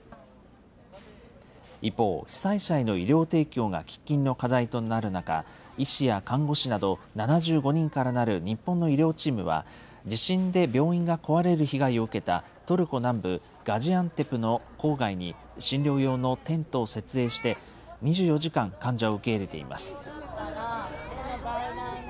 一方、被災者への医療提供が喫緊の課題となる中、医師や看護師など７５人からなる日本の医療チームは、地震で病院が壊れる被害を受けたトルコ南部ガジアンテプの郊外に診療用のテントを設営して、２４時間患者を受け入れています。